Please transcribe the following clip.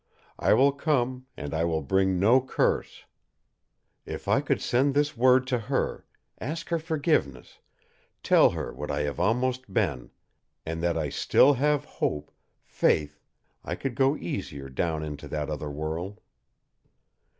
I will come, and I will bring no curse. If I could send this word to HER, ask her forgiveness, tell her what I have almost been and that I still have hope faith I could go easier down into that other world."